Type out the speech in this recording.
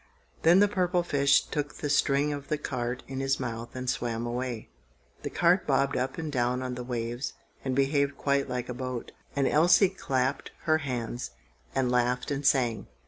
Then the purple fish took the string of the cart in his mouth and swam away. The cart bobbed up and down on the waves, and behaved quite like a boat, and Elsie clapped her hands, and laughed and sang.